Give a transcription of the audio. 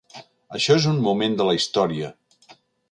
Això és un moment de la història.